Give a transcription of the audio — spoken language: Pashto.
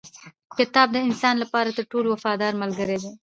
کتاب د انسان لپاره تر ټولو وفادار ملګری دی